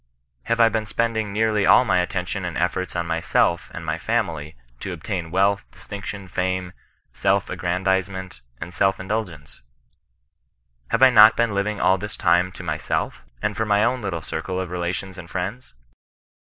Have I been spending nearly all my attention and efforts on mysdf and my own family, to obtain wealth, distinction, fame, self aggrandizement, and self indul gence ? Have I not been living all this time to myself, and for my own littl^ circle of relations and friends?